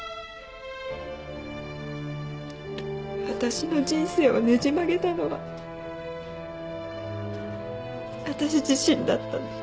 私の人生をねじ曲げたのは私自身だったって。